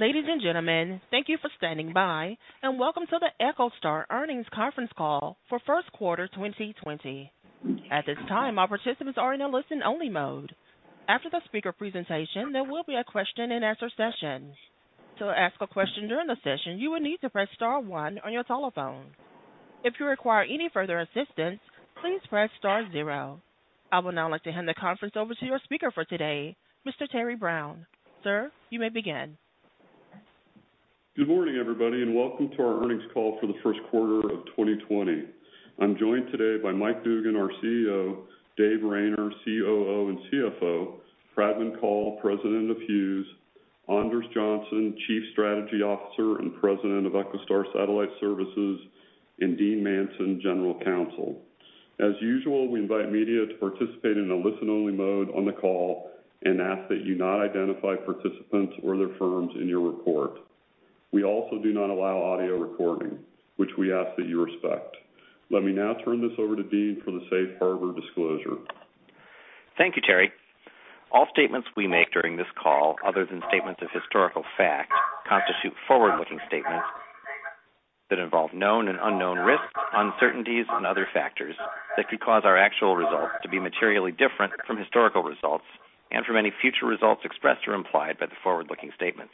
Ladies and gentlemen, thank you for standing by and welcome to the EchoStar earnings conference call for first quarter 2020. At this time, all participants are in a listen-only mode. After the speaker presentation, there will be a question-and-answer session. To ask a question during the session, you will need to press star one on your telephone. If you require any further assistance, please press star zero. I would now like to hand the conference over to your speaker for today, Mr. Terry Brown. Sir, you may begin. Good morning, everybody, and welcome to our earnings call for the first quarter of 2020. I'm joined today by Mike Dugan, our CEO, Dave Rayner, COO and CFO, Pradman Kaul, President of Hughes, Anders Johnson, Chief Strategy Officer and President of EchoStar Satellite Services, and Dean Manson, General Counsel. As usual, we invite media to participate in a listen-only mode on the call and ask that you not identify participants or their firms in your report. We also do not allow audio recording, which we ask that you respect. Let me now turn this over to Dean for the safe harbor disclosure. Thank you, Terry. All statements we make during this call, other than statements of historical fact, constitute forward-looking statements that involve known and unknown risks, uncertainties, and other factors that could cause our actual results to be materially different from historical results and from any future results expressed or implied by the forward-looking statements.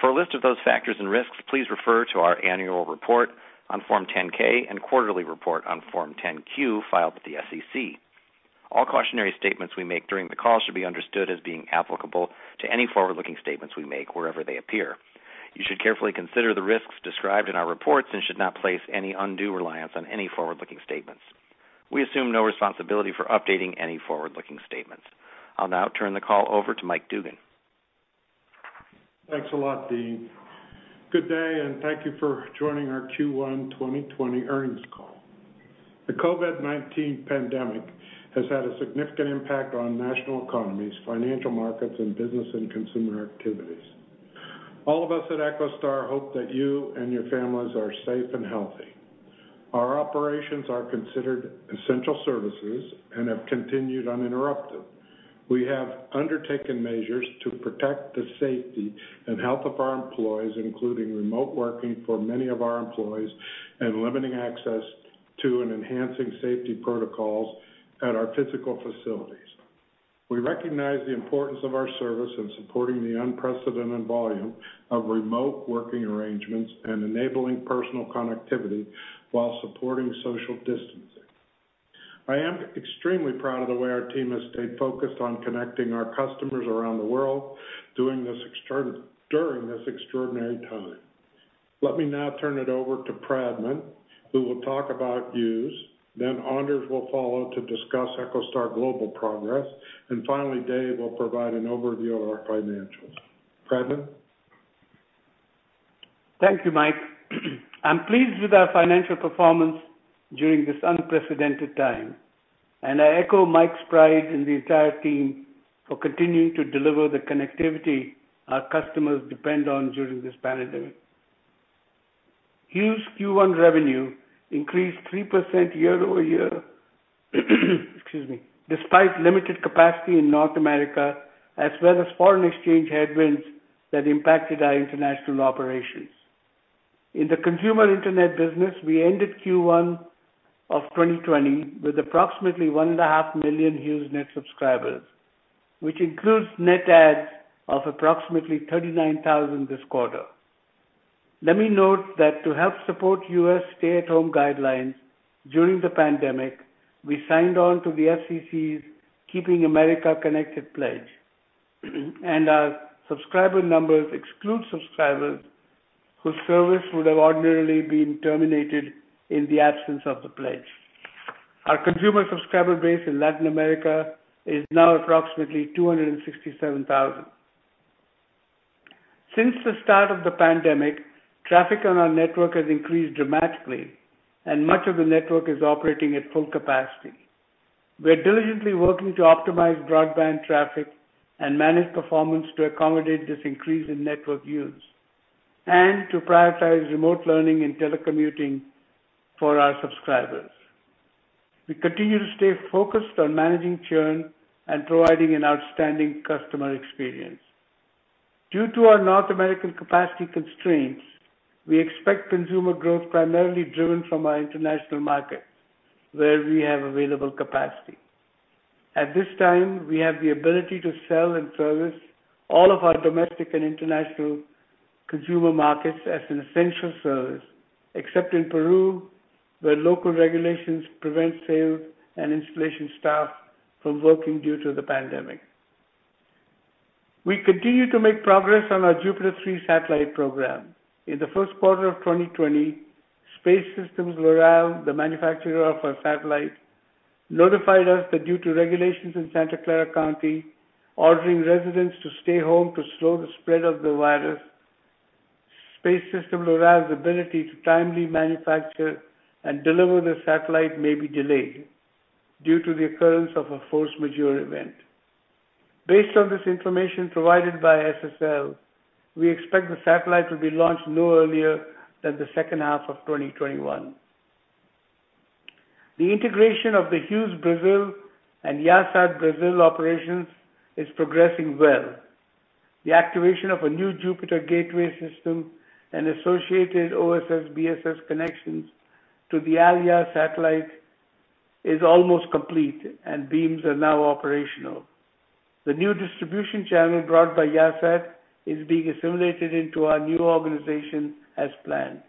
For a list of those factors and risks, please refer to our annual report on Form 10-K and quarterly report on Form 10-Q filed with the SEC. All cautionary statements we make during the call should be understood as being applicable to any forward-looking statements we make wherever they appear. You should carefully consider the risks described in our reports and should not place any undue reliance on any forward-looking statements. We assume no responsibility for updating any forward-looking statements. I'll now turn the call over to Mike Dugan. Thanks a lot, Dean. Good day, and thank you for joining our Q1 2020 earnings call. The COVID-19 pandemic has had a significant impact on national economies, financial markets, and business and consumer activities. All of us at EchoStar hope that you and your families are safe and healthy. Our operations are considered essential services and have continued uninterrupted. We have undertaken measures to protect the safety and health of our employees, including remote working for many of our employees, and limiting access to and enhancing safety protocols at our physical facilities. We recognize the importance of our service in supporting the unprecedented volume of remote working arrangements and enabling personal connectivity while supporting social distancing. I am extremely proud of the way our team has stayed focused on connecting our customers around the world during this extraordinary time. Let me now turn it over to Pradman, who will talk about Hughes. Anders will follow to discuss EchoStar Global progress, and finally, Dave will provide an overview of our financials. Pradman? Thank you, Mike. I'm pleased with our financial performance during this unprecedented time, and I echo Mike's pride in the entire team for continuing to deliver the connectivity our customers depend on during this pandemic. Hughes Q1 revenue increased 3% year-over-year, excuse me, despite limited capacity in North America, as well as foreign exchange headwinds that impacted our international operations. In the consumer internet business, we ended Q1 of 2020 with approximately one and a half million Hughesnet subscribers, which includes net adds of approximately 39,000 this quarter. Let me note that to help support U.S. stay-at-home guidelines during the pandemic, we signed on to the FCC's Keep Americans Connected pledge, and our subscriber numbers exclude subscribers whose service would have ordinarily been terminated in the absence of the pledge. Our consumer subscriber base in Latin America is now approximately 267,000. Since the start of the pandemic, traffic on our network has increased dramatically, and much of the network is operating at full capacity. We are diligently working to optimize broadband traffic and manage performance to accommodate this increase in network use and to prioritize remote learning and telecommuting for our subscribers. We continue to stay focused on managing churn and providing an outstanding customer experience. Due to our North American capacity constraints, we expect consumer growth primarily driven from our international markets, where we have available capacity. At this time, we have the ability to sell and service all of our domestic and international consumer markets as an essential service, except in Peru, where local regulations prevent sales and installation staff from working due to the pandemic. We continue to make progress on our JUPITER 3 satellite program. In the first quarter of 2020, Space Systems/Loral, the manufacturer of our satellite, notified us that due to regulations in Santa Clara County ordering residents to stay home to slow the spread of the virus, Space Systems/Loral's ability to timely manufacture and deliver the satellite may be delayed due to the occurrence of a force majeure event. Based on this information provided by SSL, we expect the satellite to be launched no earlier than the second half of 2021. The integration of the Hughes Brazil and Yahsat Brazil operations is progressing well. The activation of a new JUPITER gateway system and associated OSS/BSS connections to the Al Yah Satellite is almost complete, and beams are now operational. The new distribution channel brought by Yahsat is being assimilated into our new organization as planned.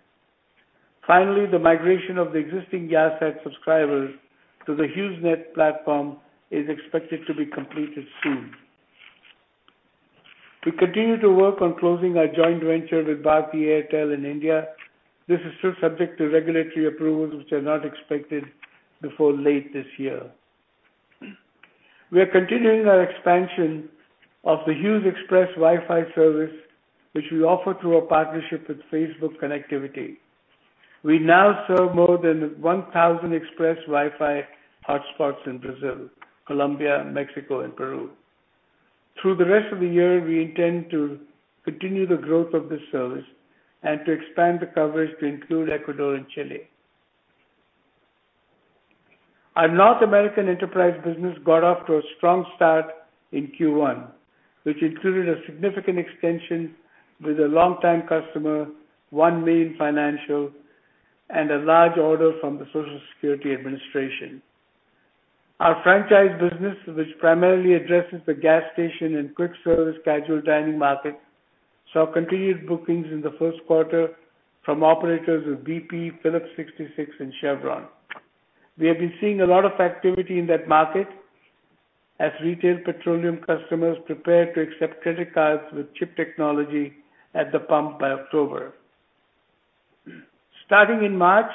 The migration of the existing Yahsat subscribers to the Hughesnet platform is expected to be completed soon. We continue to work on closing our joint venture with Bharti Airtel in India. This is still subject to regulatory approvals, which are not expected before late this year. We are continuing our expansion of the Hughes Express Wi-Fi service, which we offer through our partnership with Facebook Connectivity. We now serve more than 1,000 Express Wi-Fi hotspots in Brazil, Colombia, Mexico, and Peru. Through the rest of the year, we intend to continue the growth of this service and to expand the coverage to include Ecuador and Chile. Our North American enterprise business got off to a strong start in Q1, which included a significant extension with a longtime customer, OneMain Financial, and a large order from the Social Security Administration. Our franchise business, which primarily addresses the gas station and quick-service casual dining market, saw continued bookings in the first quarter from operators of BP, Phillips 66, and Chevron. We have been seeing a lot of activity in that market as retail petroleum customers prepare to accept credit cards with chip technology at the pump by October. Starting in March,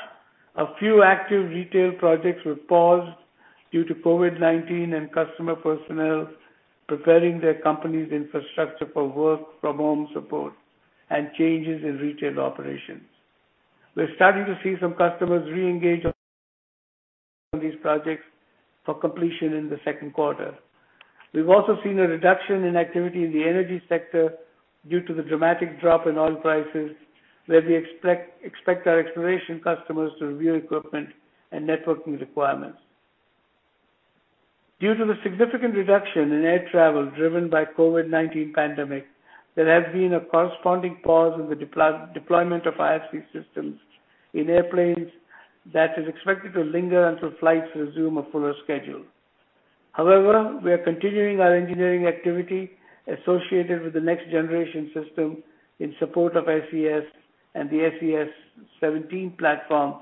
a few active retail projects were paused due to COVID-19 and customer personnel preparing their company's infrastructure for work-from-home support and changes in retail operations. We're starting to see some customers reengage on these projects for completion in the second quarter. We've also seen a reduction in activity in the energy sector due to the dramatic drop in oil prices, where we expect our exploration customers to review equipment and networking requirements. Due to the significant reduction in air travel driven by COVID-19 pandemic, there has been a corresponding pause in the deployment of IFC systems in airplanes that is expected to linger until flights resume a fuller schedule. However, we are continuing our engineering activity associated with the next generation system in support of ICS and the ICS 17 platform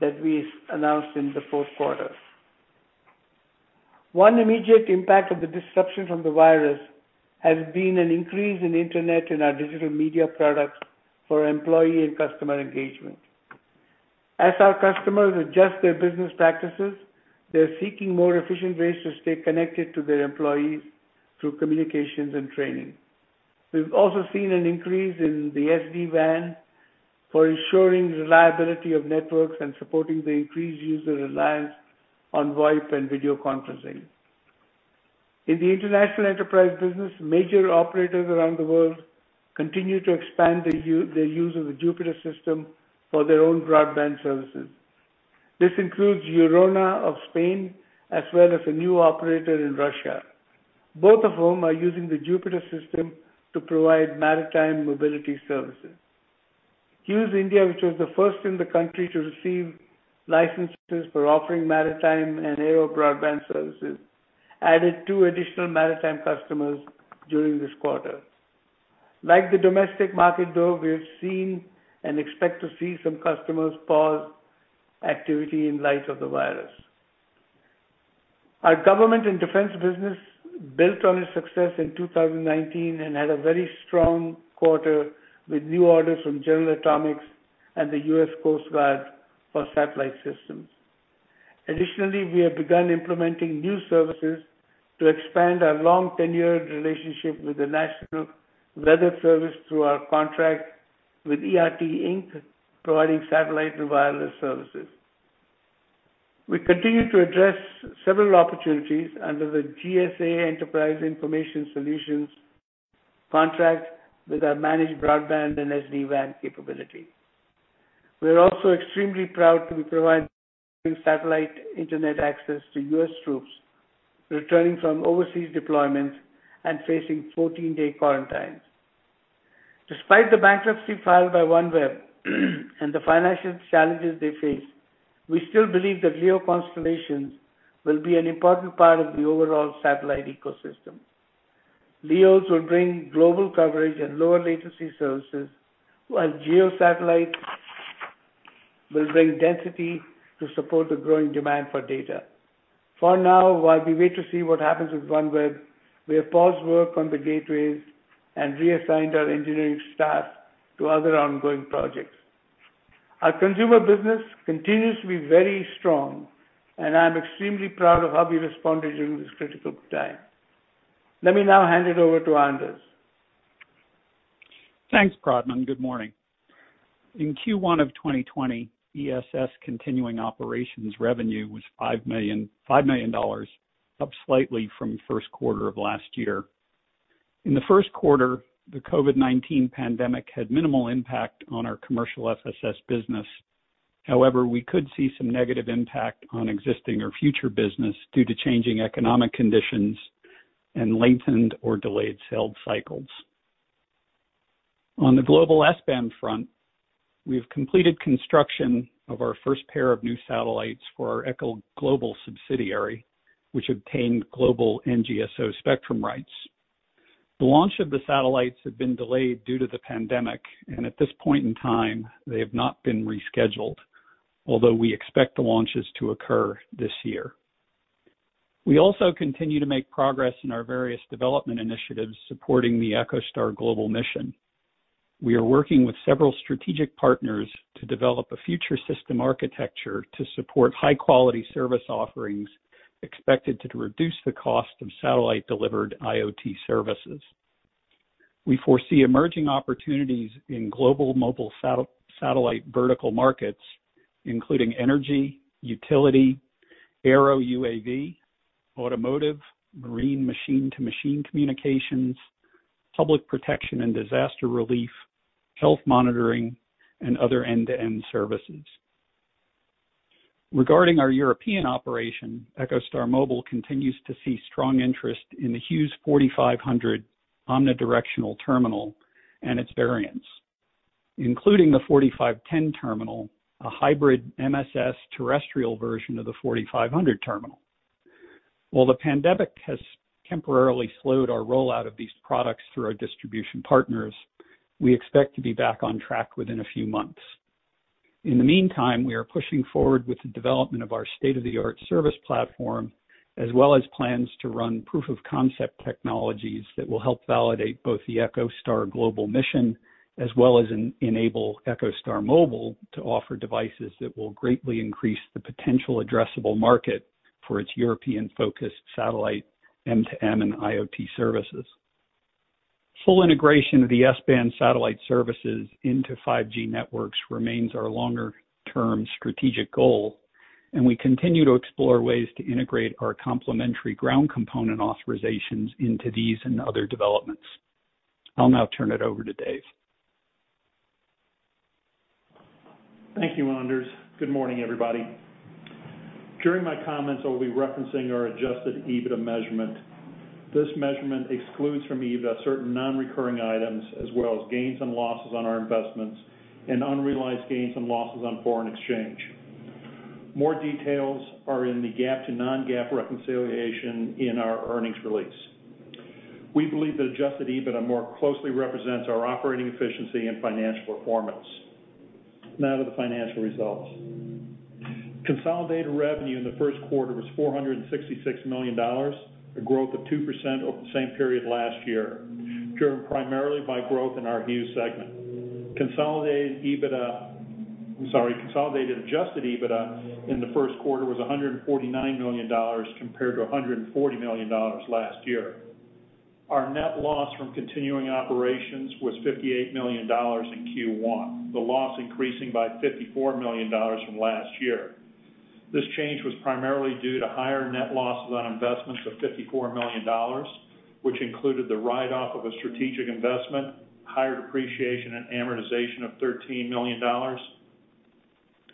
that we announced in the fourth quarter. One immediate impact of the disruption from the virus has been an increase in internet in our digital media products for employee and customer engagement. As our customers adjust their business practices, they're seeking more efficient ways to stay connected to their employees through communications and training. We've also seen an increase in the SD-WAN for ensuring reliability of networks and supporting the increased user reliance on VoIP and video conferencing. In the international enterprise business, major operators around the world continue to expand their use of the JUPITER system for their own broadband services. This includes Eurona of Spain, as well as a new operator in Russia, both of whom are using the JUPITER system to provide maritime mobility services. Hughes India, which was the first in the country to receive licenses for offering maritime and aero broadband services, added two additional maritime customers during this quarter. Like the domestic market, though, we have seen and expect to see some customers pause activity in light of the virus. Our government and defense business built on its success in 2019 and had a very strong quarter with new orders from General Atomics and the U.S. Coast Guard for satellite systems. We have begun implementing new services to expand our long tenured relationship with the National Weather Service through our contract with ERT, Inc., providing satellite and wireless services. We continue to address several opportunities under the GSA Enterprise Infrastructure Solutions contract with our managed broadband and SD-WAN capability. We are also extremely proud to be providing satellite internet access to U.S. troops returning from overseas deployments and facing 14-day quarantines. Despite the bankruptcy filed by OneWeb and the financial challenges they face, we still believe that LEO constellations will be an important part of the overall satellite ecosystem. LEOs will bring global coverage and lower latency services, while GEO satellite will bring density to support the growing demand for data. For now, while we wait to see what happens with OneWeb, we have paused work on the gateways and reassigned our engineering staff to other ongoing projects. Our consumer business continues to be very strong, and I'm extremely proud of how we responded during this critical time. Let me now hand it over to Anders. Thanks, Pradman. Good morning. In Q1 of 2020, ESS continuing operations revenue was $5 million, up slightly from first quarter of last year. In the first quarter, the COVID-19 pandemic had minimal impact on our commercial FSS business. We could see some negative impact on existing or future business due to changing economic conditions and lengthened or delayed sales cycles. On the global S-band front, we've completed construction of our first pair of new satellites for our EchoStar Global subsidiary, which obtained global NGSO spectrum rights. The launch of the satellites have been delayed due to the pandemic, and at this point in time, they have not been rescheduled, although we expect the launches to occur this year. We also continue to make progress in our various development initiatives supporting the EchoStar Global mission. We are working with several strategic partners to develop a future system architecture to support high-quality service offerings expected to reduce the cost of satellite-delivered IoT services. We foresee emerging opportunities in global mobile satellite vertical markets, including energy, utility, aero UAV, automotive, marine machine-to-machine communications, public protection and disaster relief, health monitoring, and other end-to-end services. Regarding our European operation, EchoStar Mobile continues to see strong interest in the Hughes 4500 omnidirectional terminal and its variants, including the 4510 terminal, a hybrid MSS terrestrial version of the 4500 terminal. While the pandemic has temporarily slowed our rollout of these products through our distribution partners, we expect to be back on track within a few months. In the meantime, we are pushing forward with the development of our state-of-the-art service platform, as well as plans to run proof-of-concept technologies that will help validate both the EchoStar Global mission, as well as enable EchoStar Mobile to offer devices that will greatly increase the potential addressable market for its European-focused satellite M2M and IoT services. Full integration of the S-band satellite services into 5G networks remains our longer-term strategic goal, and we continue to explore ways to integrate our complementary ground component authorizations into these and other developments. I'll now turn it over to Dave. Thank you, Anders. Good morning, everybody. During my comments, I'll be referencing our adjusted EBITDA measurement. This measurement excludes from EBITDA certain non-recurring items, as well as gains and losses on our investments and unrealized gains and losses on foreign exchange. More details are in the GAAP to non-GAAP reconciliation in our earnings release. We believe that adjusted EBITDA more closely represents our operating efficiency and financial performance. Now to the financial results. Consolidated revenue in the first quarter was $466 million, a growth of 2% over the same period last year, driven primarily by growth in our Hughes segment. Consolidated adjusted EBITDA in the first quarter was $149 million compared to $140 million last year. Our net loss from continuing operations was $58 million in Q1, the loss increasing by $54 million from last year. This change was primarily due to higher net losses on investments of $54 million, which included the write-off of a strategic investment, higher depreciation and amortization of $13 million,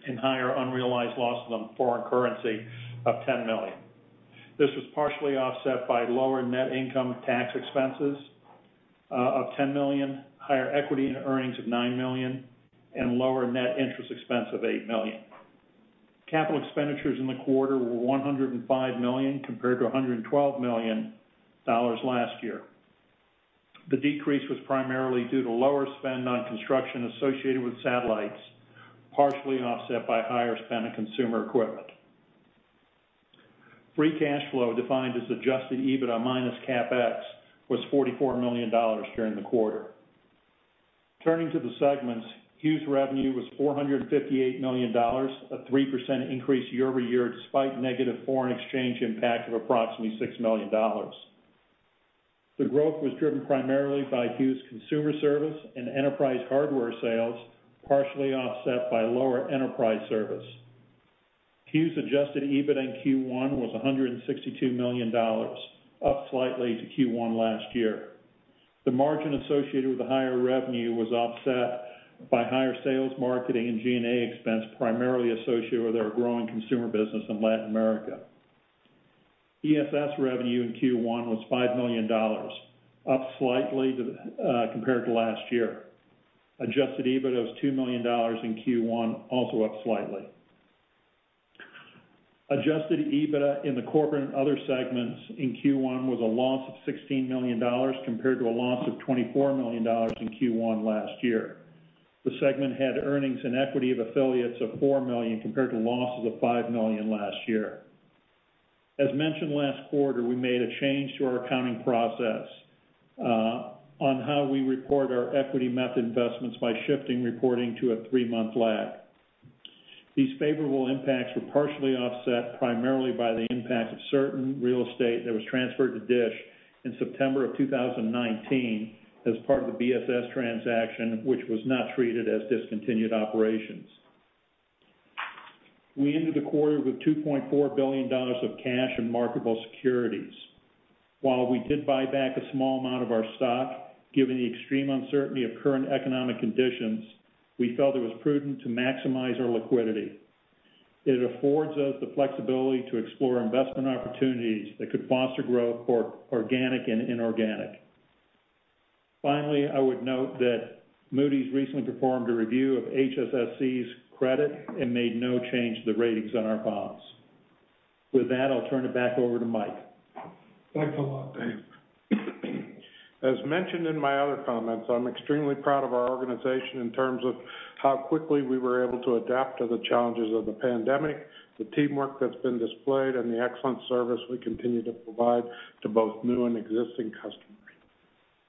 and higher unrealized loss on foreign currency of $10 million. This was partially offset by lower net income tax expenses of $10 million, higher equity in earnings of $nine million, and lower net interest expense of $8 million. Capital expenditures in the quarter were $105 million compared to $112 million last year. The decrease was primarily due to lower spend on construction associated with satellites, partially offset by higher spend on consumer equipment. Free cash flow, defined as adjusted EBITDA minus CapEx, was $44 million during the quarter. Turning to the segments, Hughes revenue was $458 million, a 3% increase year-over-year, despite negative foreign exchange impact of approximately $6 million. The growth was driven primarily by Hughes consumer service and enterprise hardware sales, partially offset by lower enterprise service. Hughes adjusted EBITDA in Q1 was $162 million, up slightly to Q1 last year. The margin associated with the higher revenue was offset by higher sales, marketing, and G&A expense primarily associated with our growing consumer business in Latin America. ESS revenue in Q1 was $5 million, up slightly compared to last year. Adjusted EBITDA was $2 million in Q1, also up slightly. Adjusted EBITDA in the corporate and other segments in Q1 was a loss of $16 million compared to a loss of $24 million in Q1 last year. The segment had earnings in equity of affiliates of $4 million compared to losses of $5 million last year. As mentioned last quarter, we made a change to our accounting process on how we report our equity method investments by shifting reporting to a three-month lag. These favorable impacts were partially offset primarily by the impact of certain real estate that was transferred to DISH in September of 2019 as part of the BSS transaction, which was not treated as discontinued operations. We ended the quarter with $2.4 billion of cash and marketable securities. While we did buy back a small amount of our stock, given the extreme uncertainty of current economic conditions, we felt it was prudent to maximize our liquidity. It affords us the flexibility to explore investment opportunities that could foster growth, both organic and inorganic. Finally, I would note that Moody's recently performed a review of HSSC's credit and made no change to the ratings on our bonds. With that, I'll turn it back over to Mike. Thanks a lot, Dave. As mentioned in my other comments, I'm extremely proud of our organization in terms of how quickly we were able to adapt to the challenges of the pandemic, the teamwork that's been displayed, and the excellent service we continue to provide to both new and existing customers.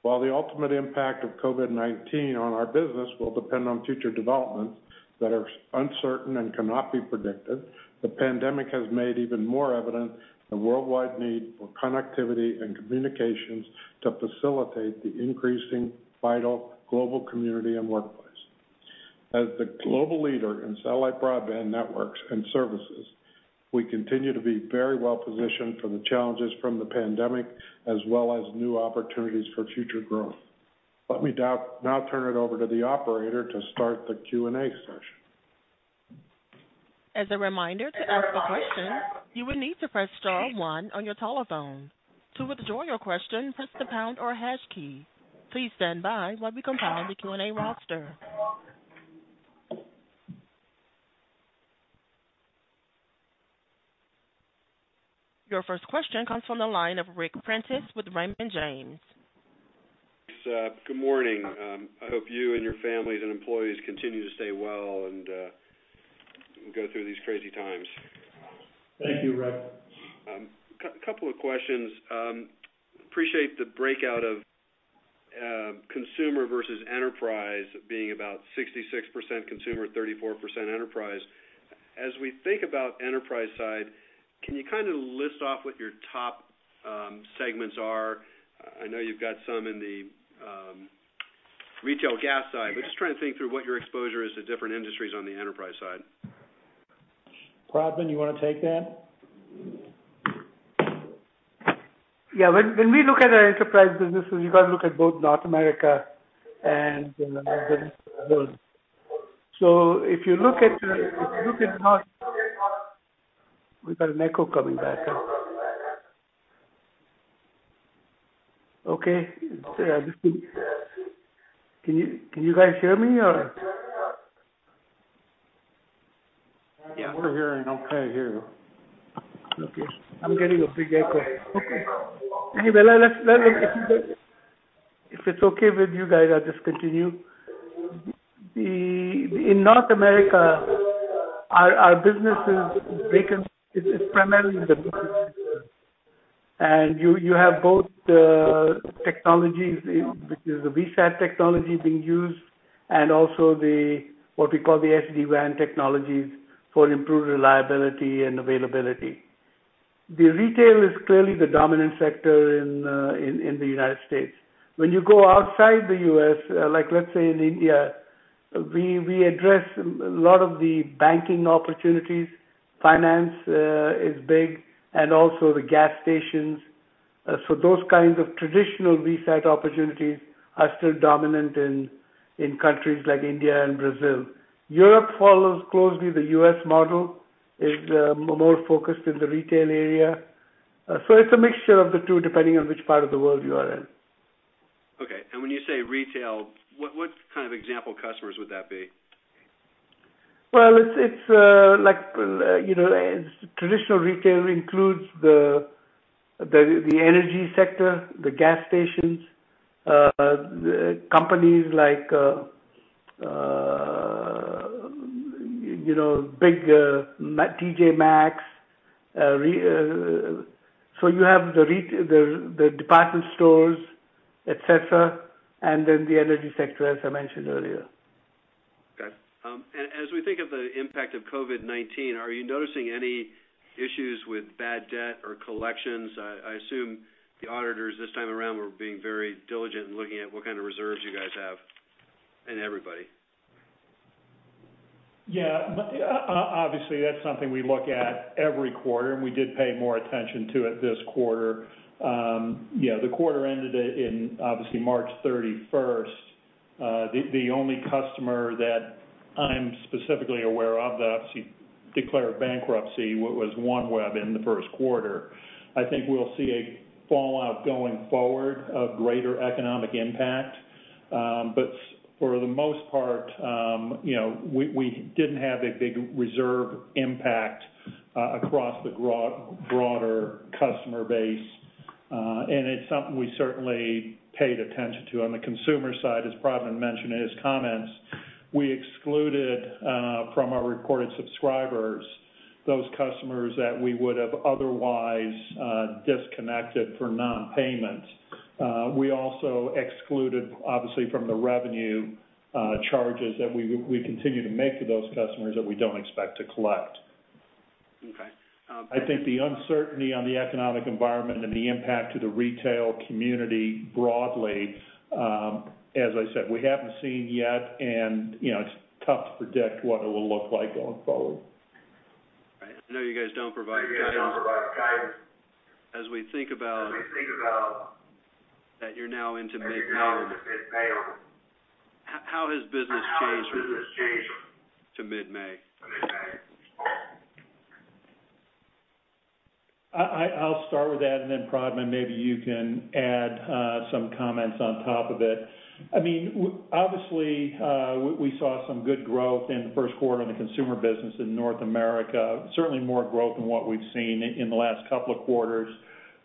While the ultimate impact of COVID-19 on our business will depend on future developments that are uncertain and cannot be predicted, the pandemic has made even more evident the worldwide need for connectivity and communications to facilitate the increasing vital global community and workplace. As the global leader in satellite broadband networks and services, we continue to be very well-positioned for the challenges from the pandemic as well as new opportunities for future growth. Let me now turn it over to the operator to start the Q&A session. As a reminder, to ask a question, you will need to press star one on your telephone. To withdraw your question, press the pound or hash key. Please stand by while we compile the Q&A roster. Your first question comes from the line of Ric Prentiss with Raymond James. Thanks. Good morning. I hope you and your families and employees continue to stay well and go through these crazy times. Thank you, Ric. A couple of questions. Appreciate the breakout of consumer versus enterprise being about 66% consumer, 34% enterprise. As we think about enterprise side, can you kind of list off what your top segments are? I know you've got some in the retail gas side, but just trying to think through what your exposure is to different industries on the enterprise side. Pradman, you want to take that? Yeah. When we look at our enterprise businesses, you got to look at both North America and the rest of the world. We've got an echo coming back. Okay. Can you guys hear me, or? Yeah, we're hearing okay here. Okay. I'm getting a big echo. Okay. Anyway, if it's okay with you guys, I'll just continue. In North America, our business is primarily the B2C side. You have both technologies, which is the VSAT technology being used and also what we call the SD-WAN technologies for improved reliability and availability. The retail is clearly the dominant sector in the United States. When you go outside the U.S., like let's say in India, we address a lot of the banking opportunities. Finance is big, and also the gas stations. Those kinds of traditional VSAT opportunities are still dominant in countries like India and Brazil. Europe follows closely the U.S. model. It's more focused in the retail area. It's a mixture of the two, depending on which part of the world you are in. Okay. When you say retail, what kind of example customers would that be? Well, traditional retail includes the energy sector, the gas stations, companies like big T.J.Maxx. You have the department stores, et cetera, and then the energy sector, as I mentioned earlier. Okay. As we think of the impact of COVID-19, are you noticing any issues with bad debt or collections? I assume the auditors this time around were being very diligent in looking at what kind of reserves you guys have. Yeah. Obviously, that's something we look at every quarter, and we did pay more attention to it this quarter. The quarter ended in, obviously, March 31st. The only customer that I'm specifically aware of that actually declared bankruptcy was OneWeb in the first quarter. I think we'll see a fallout going forward of greater economic impact. For the most part, we didn't have a big reserve impact across the broader customer base. It's something we certainly paid attention to. On the consumer side, as Pradman mentioned in his comments, we excluded from our reported subscribers those customers that we would have otherwise disconnected for non-payment. We also excluded, obviously, from the revenue charges that we continue to make to those customers that we don't expect to collect. Okay. I think the uncertainty on the economic environment and the impact to the retail community broadly, as I said, we haven't seen yet, and it's tough to predict what it will look like going forward. Right. I know you guys don't provide guidance. As we think about that you're now into mid-May, how has business changed to mid-May? I'll start with that, and then Pradman, maybe you can add some comments on top of it. Obviously, we saw some good growth in the first quarter in the consumer business in North America, certainly more growth than what we've seen in the last couple of quarters.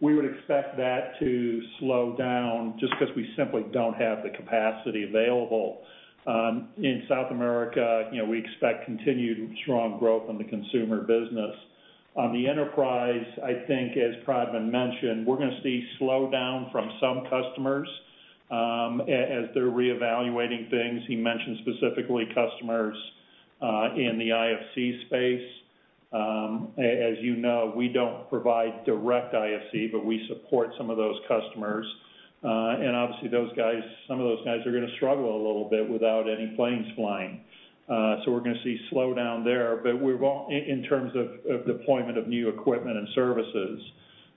We would expect that to slow down just because we simply don't have the capacity available. In South America, we expect continued strong growth in the consumer business. On the enterprise, I think, as Pradman mentioned, we're going to see slowdown from some customers, as they're reevaluating things. He mentioned specifically customers in the IFC space. As you know, we don't provide direct IFC, but we support some of those customers. Obviously some of those guys are going to struggle a little bit without any planes flying. We're going to see slowdown there, in terms of deployment of new equipment and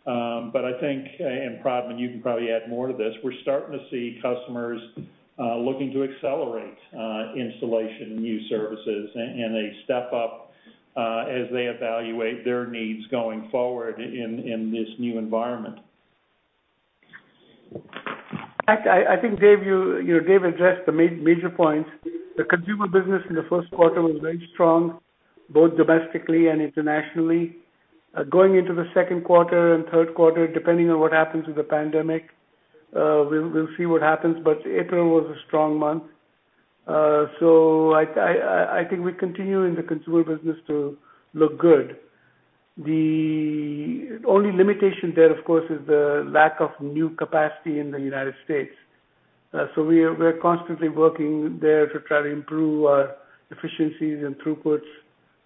services. I think, and Pradman, you can probably add more to this, we're starting to see customers looking to accelerate installation of new services, and a step up as they evaluate their needs going forward in this new environment. I think Dave addressed the major points. The consumer business in the first quarter was very strong, both domestically and internationally. Going into the second quarter and third quarter, depending on what happens with the pandemic, we'll see what happens, but April was a strong month. I think we continue in the consumer business to look good. The only limitation there, of course, is the lack of new capacity in the United States. We're constantly working there to try to improve our efficiencies and throughputs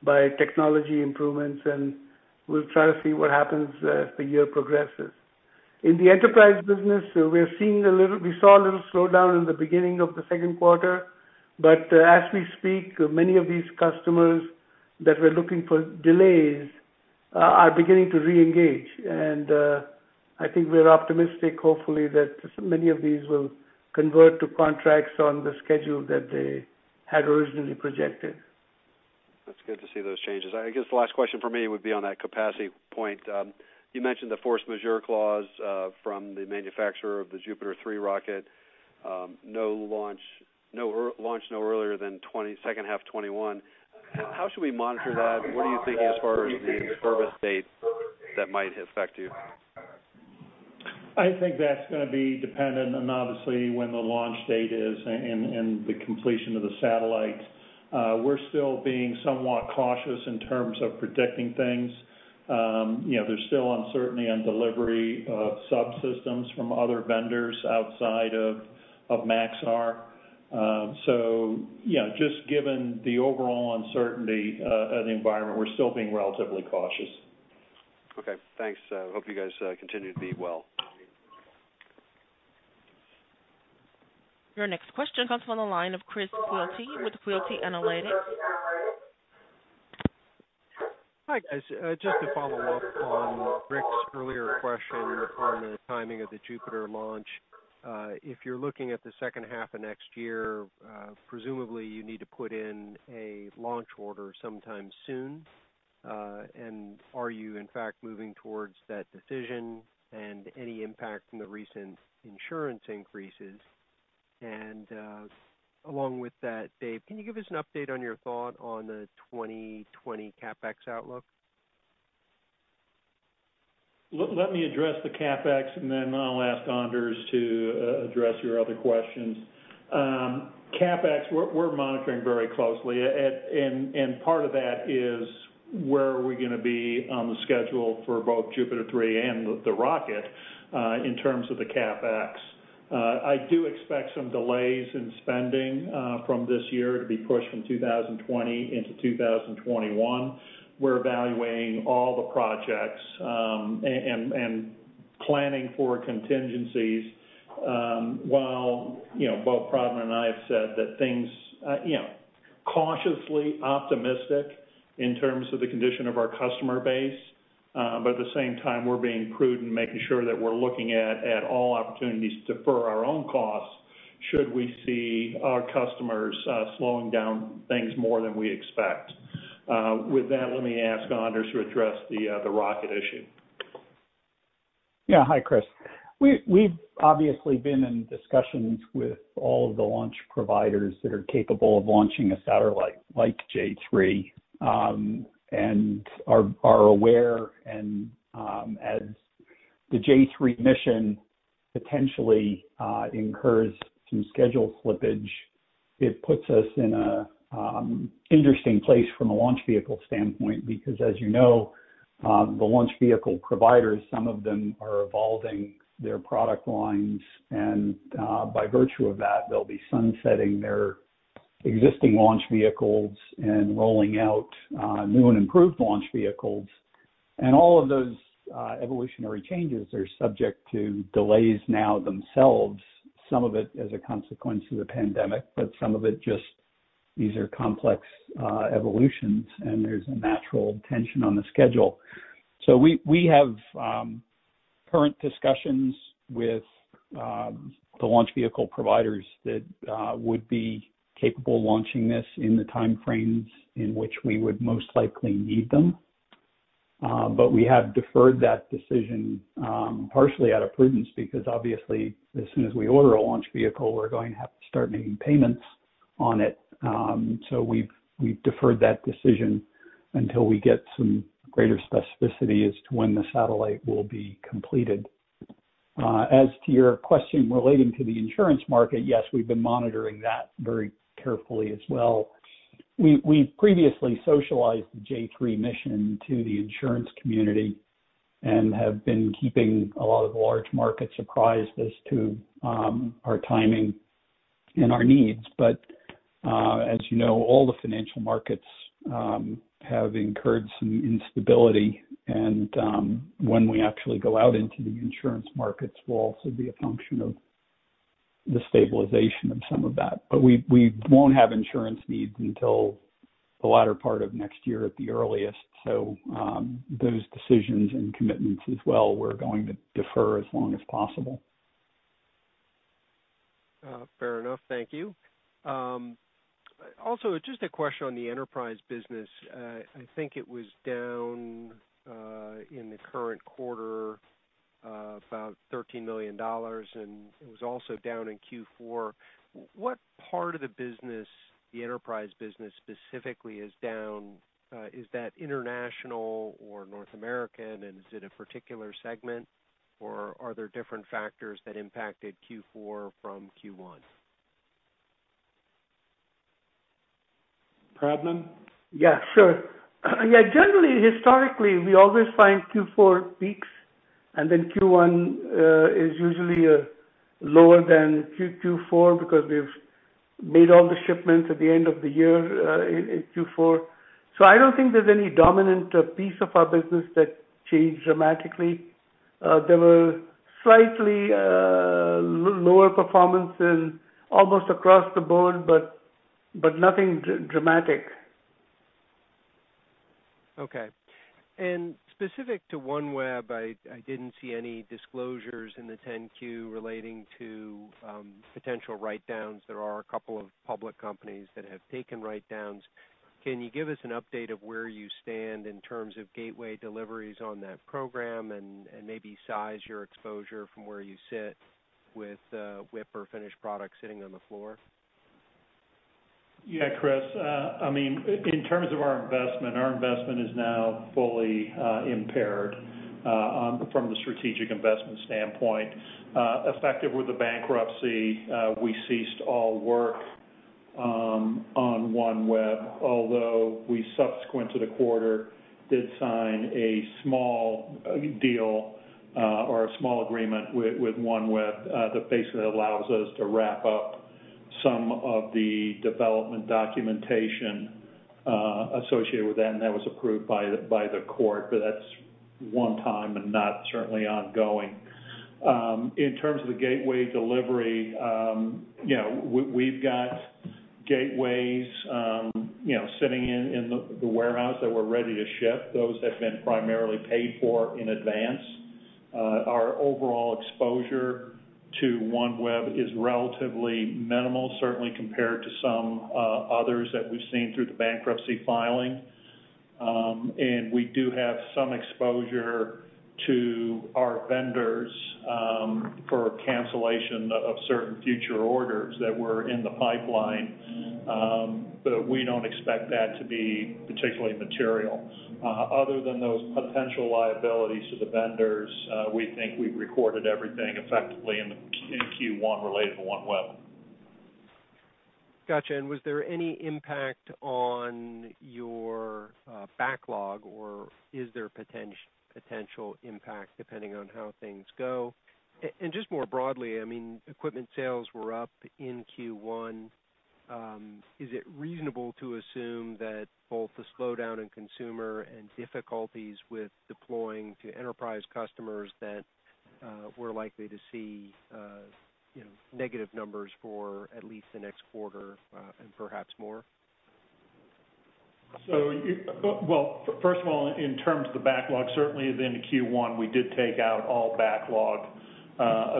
by technology improvements, and we'll try to see what happens as the year progresses. In the enterprise business, we saw a little slowdown in the beginning of the second quarter. As we speak, many of these customers that were looking for delays are beginning to reengage. I think we're optimistic, hopefully, that many of these will convert to contracts on the schedule that they had originally projected. That's good to see those changes. I guess the last question from me would be on that capacity point. You mentioned the force majeure clause from the manufacturer of the JUPITER 3 rocket. Launch no earlier than second half 2021. How should we monitor that? What are you thinking as far as the service date that might affect you? I think that's going to be dependent on, obviously, when the launch date is and the completion of the satellite. We're still being somewhat cautious in terms of predicting things. There's still uncertainty on delivery of subsystems from other vendors outside of Maxar. Just given the overall uncertainty of the environment, we're still being relatively cautious. Okay, thanks. Hope you guys continue to be well. Your next question comes from the line of Chris Quilty with Quilty Analytics. Hi, guys. Just to follow up on Ric's earlier question on the timing of the JUPITER launch. If you're looking at the second half of next year, presumably you need to put in a launch order sometime soon. Are you in fact moving towards that decision and any impact from the recent insurance increases? Along with that, Dave, can you give us an update on your thought on the 2020 CapEx outlook? Let me address the CapEx and then I'll ask Anders to address your other questions. CapEx, we're monitoring very closely. Part of that is where are we going to be on the schedule for both JUPITER 3 and the rocket, in terms of the CapEx. I do expect some delays in spending from this year to be pushed from 2020 into 2021. We're evaluating all the projects, and planning for contingencies. While both Pradman and I have said that things, cautiously optimistic in terms of the condition of our customer base. At the same time, we're being prudent, making sure that we're looking at all opportunities to defer our own costs should we see our customers slowing down things more than we expect. With that, let me ask Anders to address the rocket issue. Yeah. Hi, Chris. We've obviously been in discussions with all of the launch providers that are capable of launching a satellite like J3. We are aware and as the J3 mission potentially incurs some schedule slippage, it puts us in an interesting place from a launch vehicle standpoint. As you know, the launch vehicle providers, some of them are evolving their product lines and by virtue of that, they'll be sunsetting their existing launch vehicles and rolling out new and improved launch vehicles. All of those evolutionary changes are subject to delays now themselves, some of it as a consequence of the pandemic, but some of it just these are complex evolutions and there's a natural tension on the schedule. We have current discussions with the launch vehicle providers that would be capable of launching this in the timeframes in which we would most likely need them. We have deferred that decision, partially out of prudence, because obviously as soon as we order a launch vehicle, we're going to have to start making payments on it. We've deferred that decision until we get some greater specificity as to when the satellite will be completed. As to your question relating to the insurance market, yes, we've been monitoring that very carefully as well. We previously socialized the J3 mission to the insurance community and have been keeping a lot of large markets apprised as to our timing and our needs. As you know, all the financial markets have incurred some instability and when we actually go out into the insurance markets will also be a function of the stabilization of some of that. We won't have insurance needs until the latter part of next year at the earliest. Those decisions and commitments as well, we're going to defer as long as possible. Fair enough. Thank you. Just a question on the enterprise business. I think it was down in the current quarter about $13 million, and it was also down in Q4. What part of the business, the enterprise business specifically, is down? Is that international or North American, and is it a particular segment, or are there different factors that impacted Q4 from Q1? Pradman? Sure. Generally, historically, we always find Q4 peaks, and then Q1 is usually lower than Q4 because we've made all the shipments at the end of the year in Q4. I don't think there's any dominant piece of our business that changed dramatically. There were slightly lower performance in almost across the board, but nothing dramatic. Okay. Specific to OneWeb, I didn't see any disclosures in the 10-Q relating to potential write-downs. There are a couple of public companies that have taken write-downs. Can you give us an update of where you stand in terms of gateway deliveries on that program and maybe size your exposure from where you sit with WIP or finished product sitting on the floor? Yeah, Chris. In terms of our investment, our investment is now fully impaired from the strategic investment standpoint. Effective with the bankruptcy, we ceased all work on OneWeb, although we subsequent to the quarter, did sign a small deal or a small agreement with OneWeb that basically allows us to wrap up some of the development documentation associated with that, and that was approved by the court. That's one time and not certainly ongoing. In terms of the gateway delivery, we've got gateways sitting in the warehouse that we're ready to ship. Those have been primarily paid for in advance. Our overall exposure to OneWeb is relatively minimal, certainly compared to some others that we've seen through the bankruptcy filing. We do have some exposure to our vendors for cancellation of certain future orders that were in the pipeline. We don't expect that to be particularly material. Other than those potential liabilities to the vendors, we think we've recorded everything effectively in Q1 related to OneWeb. Got you. Was there any impact on your backlog or is there potential impact depending on how things go? Just more broadly, equipment sales were up in Q1. Is it reasonable to assume that both the slowdown in consumer and difficulties with deploying to enterprise customers that we're likely to see negative numbers for at least the next quarter and perhaps more? Well, first of all, in terms of the backlog, certainly within Q1, we did take out all backlog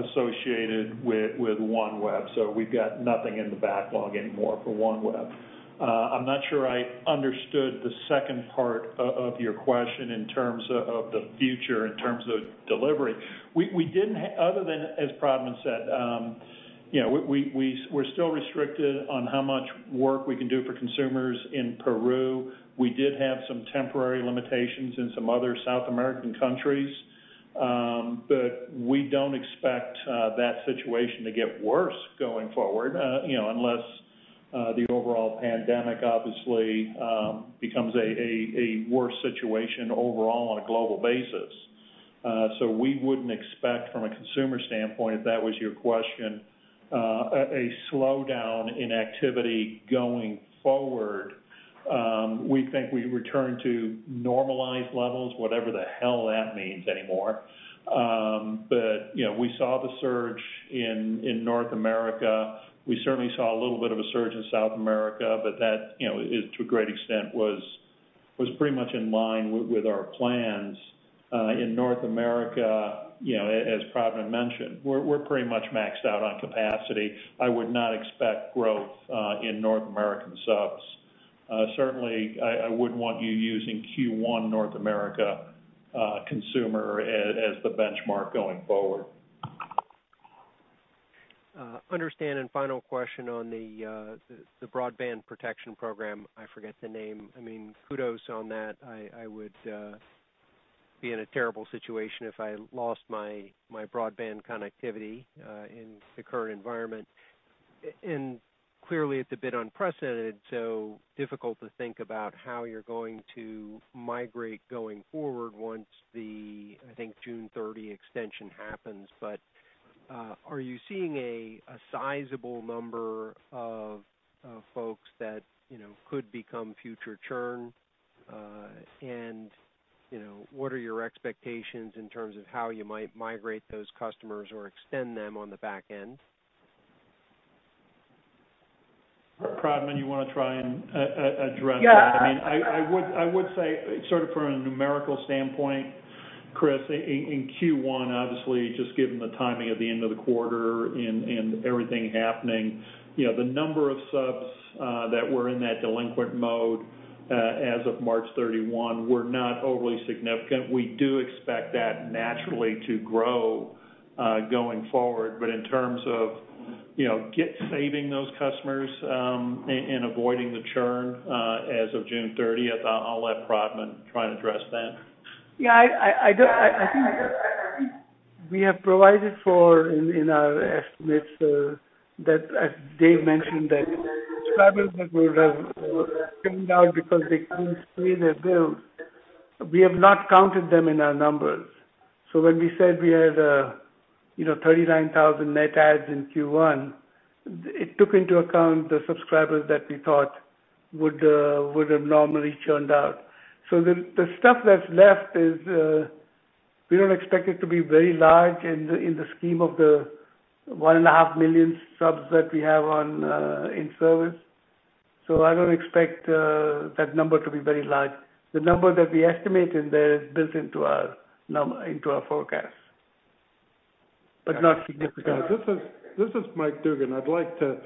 associated with OneWeb. We've got nothing in the backlog anymore for OneWeb. I'm not sure I understood the second part of your question in terms of the future, in terms of delivery. Other than, as Pradman said, we're still restricted on how much work we can do for consumers in Peru. We did have some temporary limitations in some other South American countries. We don't expect that situation to get worse going forward, unless the overall pandemic obviously becomes a worse situation overall on a global basis. We wouldn't expect from a consumer standpoint, if that was your question, a slowdown in activity going forward. We think we return to normalized levels, whatever the hell that means anymore. We saw the surge in North America. We certainly saw a little bit of a surge in South America, but that, to a great extent, was pretty much in line with our plans. In North America, as Pradman mentioned, we're pretty much maxed out on capacity. I would not expect growth in North American subs. Certainly, I wouldn't want you using Q1 North America consumer as the benchmark going forward. Understand, and final question on the broadband protection program, I forget the name. Kudos on that. I would be in a terrible situation if I lost my broadband connectivity in the current environment. Clearly, it's a bit unprecedented, so difficult to think about how you're going to migrate going forward once the, I think June 30 extension happens. Are you seeing a sizable number of folks that could become future churn? What are your expectations in terms of how you might migrate those customers or extend them on the back end? Pradman, you want to try and address that? Yeah. I would say, sort of from a numerical standpoint, Chris, in Q1, obviously, just given the timing of the end of the quarter and everything happening, the number of subs that were in that delinquent mode as of March 31 were not overly significant. We do expect that naturally to grow going forward. In terms of saving those customers and avoiding the churn as of June 30th, I'll let Pradman try and address that. I think we have provided for in our estimates that, as Dave mentioned, that subscribers that would have churned out because they couldn't pay their bills, we have not counted them in our numbers. When we said we had 39,000 net adds in Q1, it took into account the subscribers that we thought would have normally churned out. The stuff that's left is, we don't expect it to be very large in the scheme of the 1.5 million subs that we have in service. I don't expect that number to be very large. The number that we estimated there is built into our forecast, but not significant. This is Mike Dugan. I'd like to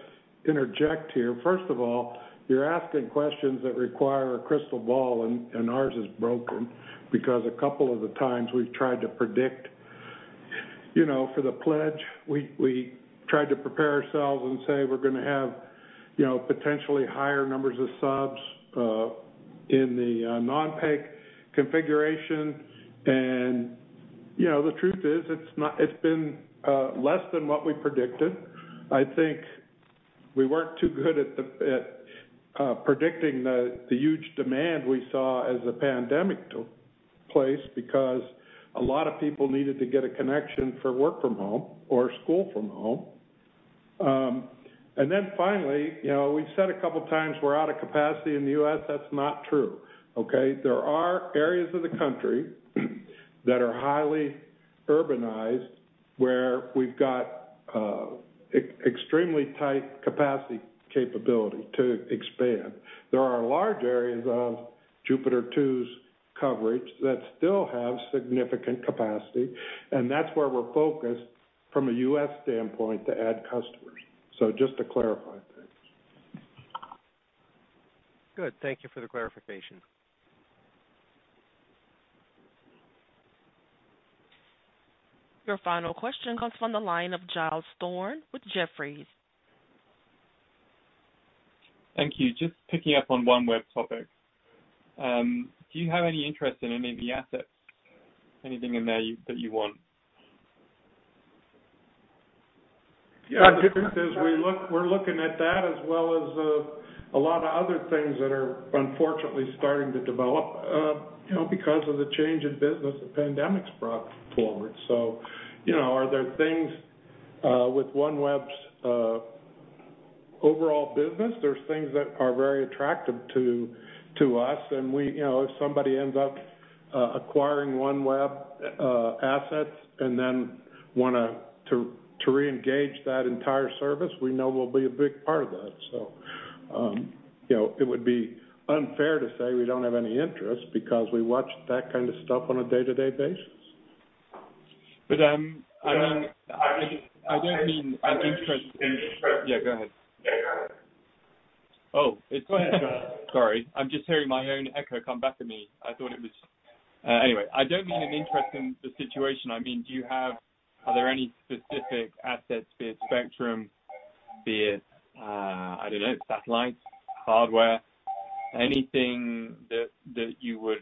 interject here. First of all, you're asking questions that require a crystal ball, and ours is broken because a couple of the times we've tried to predict for the Pledge, we tried to prepare ourselves and say we're going to have potentially higher numbers of subs in the non-pay configuration. The truth is, it's been less than what we predicted. I think we weren't too good at predicting the huge demand we saw as the Pandemic took place because a lot of people needed to get a connection for work from home or school from home. Finally, we've said a couple of times we're out of capacity in the U.S. That's not true, okay? There are areas of the country that are highly urbanized, where we've got extremely tight capacity capability to expand. There are large areas of Jupiter 2's coverage that still have significant capacity. That's where we're focused from a U.S. standpoint to add customers. Just to clarify that. Good. Thank you for the clarification. Your final question comes from the line of Giles Thorne with Jefferies. Thank you. Just picking up on OneWeb's topic. Do you have any interest in any of the assets? Anything in there that you want? Yeah, the truth is we're looking at that as well as a lot of other things that are unfortunately starting to develop because of the change in business the pandemic's brought forward. Are there things with OneWeb's overall business? There's things that are very attractive to us, and if somebody ends up acquiring OneWeb assets and then want to reengage that entire service, we know we'll be a big part of that. It would be unfair to say we don't have any interest because we watch that kind of stuff on a day-to-day basis. I don't mean an interest-. Yeah, go ahead. Yeah, go ahead. Oh, it's- Go ahead. Sorry. I'm just hearing my own echo come back at me. Anyway, I don't mean an interest in the situation. I mean, are there any specific assets, be it spectrum, be it, I don't know, satellites, hardware, anything that you would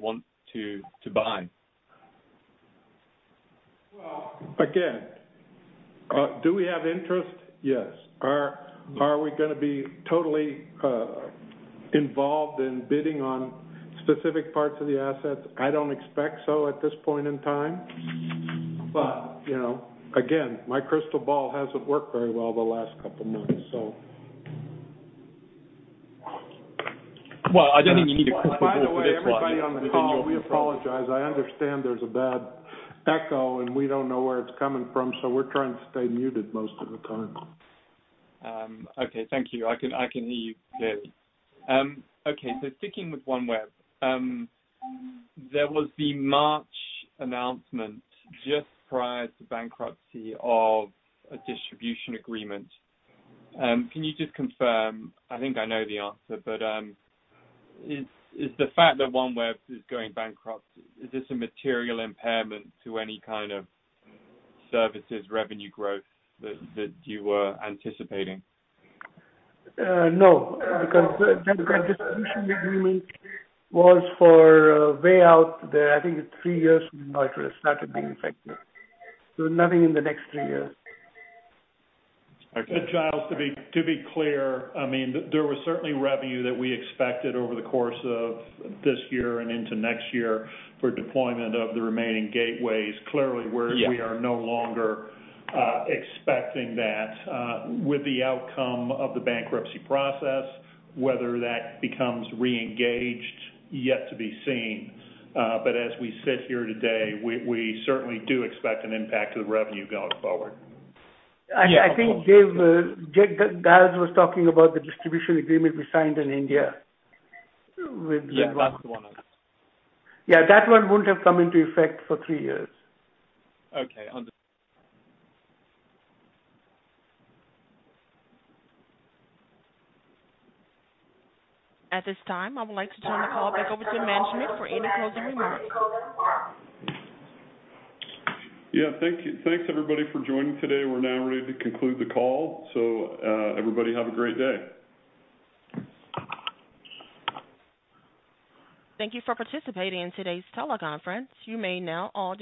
want to buy? Again, do we have interest? Yes. Are we going to be totally involved in bidding on specific parts of the assets? I don't expect so at this point in time. Again, my crystal ball hasn't worked very well the last couple months. Well, I don't think you need a crystal ball for this one. By the way, everybody on the call, we apologize. I understand there's a bad echo, and we don't know where it's coming from, so we're trying to stay muted most of the time. Okay, thank you. I can hear you clearly. Okay, sticking with OneWeb, there was the March announcement just prior to bankruptcy of a distribution agreement. Can you just confirm, I think I know the answer, but is the fact that OneWeb is going bankrupt, is this a material impairment to any kind of services revenue growth that you were anticipating? No, because the distribution agreement was for way out there. I think it's three years from now it would have started being effective. Nothing in the next three years. Okay. Giles, to be clear, there was certainly revenue that we expected over the course of this year and into next year for deployment of the remaining gateways. Yeah We are no longer expecting that. With the outcome of the bankruptcy process, whether that becomes re-engaged, yet to be seen. As we sit here today, we certainly do expect an impact to the revenue going forward. I think Giles was talking about the distribution agreement we signed in India with OneWeb. Yeah, that's the one. Yeah, that one wouldn't have come into effect for three years. Okay. At this time, I would like to turn the call back over to management for any closing remarks. Thanks everybody for joining today. We are now ready to conclude the call. Everybody have a great day. Thank you for participating in today's teleconference. You may now all disconnect.